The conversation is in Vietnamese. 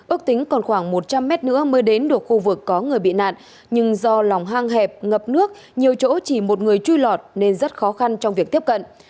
ước tính còn khoảng một trăm linh mét nữa mới đến được khu vực có người bị nạn nhưng do lòng hang hẹp ngập nước nhiều chỗ chỉ một người chui lọt nên rất khó khăn trong việc tiếp cận